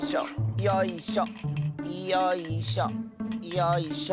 よいしょ。